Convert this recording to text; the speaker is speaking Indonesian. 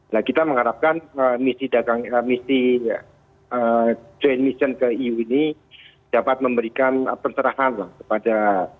nah kita mengharapkan misi dagang misi joint mission ke eu ini dapat memberikan pencerahan lah kepada